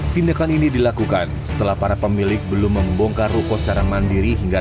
tindakan ini dilakukan setelah para pemilik belum membongkar ruko secara mandiri hingga